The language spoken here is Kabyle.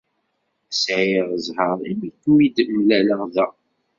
Sɛiɣ zzheṛ imi i kem-id-mlaleɣ da.